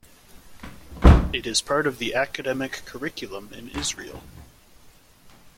It is part of the academic curriculum in Israel.